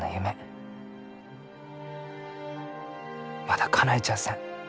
まだかなえちゃあせん。